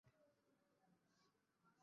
তারপর স্যারের লাইব্রেরির দায়িত্ব নিই।